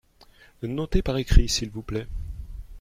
Notez par écrit, s’il vous plait.